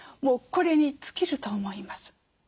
もうこれに尽きると思います。